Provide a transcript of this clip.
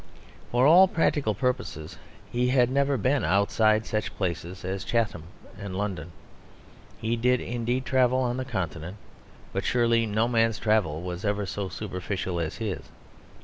For all practical purposes he had never been outside such places as Chatham and London. He did indeed travel on the Continent; but surely no man's travel was ever so superficial as his.